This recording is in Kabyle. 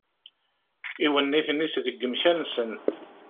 Iwenniten-is deg wemkan-nsen.